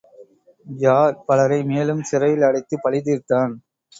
Jar, பலரை மேலும் சிறையில் அடைத்துப் பழிதீர்த்தான்.